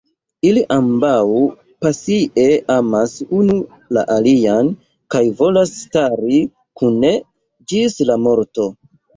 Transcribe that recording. Ili ambaŭ pasie amas unu la alian kaj volas stari kune ĝis la morto.